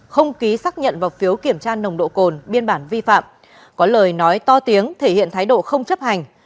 không ký xác nhận vào phiếu kiểm tra nồng độ cồn biên bản vi phạm có lời nói to tiếng thể hiện thái độ không chấp hành